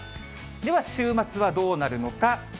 では週末はどうなるのか。